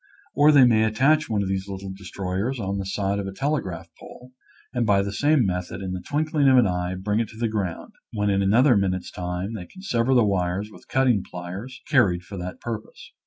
Or they may attach one of these little destroyers on the side of a telegraph pole and by the same method in the twinkling of an eye bring it to the ground, when in another minute's time they can sever the wires with cutting pliers carried for that purpose.